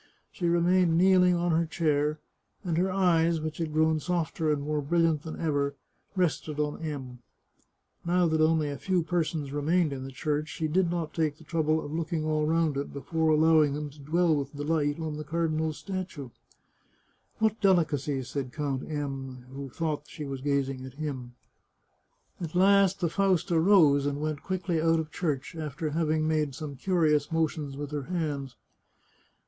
She remained kneeling on her chair, and her eyes, which had grown softer and more brilliant than ever, 239 The Chartreuse of Parma rested on M . Now that only a few persons remained in the church, she did not take the trouble of looking all round it before allowing them to dwell with delight on the car dinal's statue. " What delicacy !" said Count M , who thought she was gazing at him. At last the Fausta rose and went quickly out of church, after having made some curious motions with her hands.